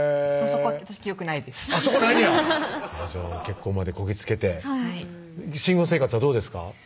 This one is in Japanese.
そこないねやじゃあ結婚までこぎつけてはい新婚生活はどうですか？